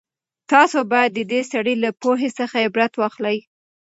تاسو بايد د دې سړي له پوهې څخه عبرت واخلئ.